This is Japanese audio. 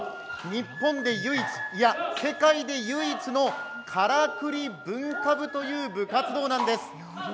日本で唯一、いや、世界で唯一のからくり文化部という部活動なんです。